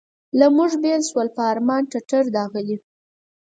له موږ بېل شول په ارمان ټټر داغلي.